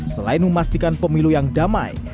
selain memastikan pemilu yang damai